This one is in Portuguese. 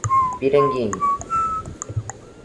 Piranguinho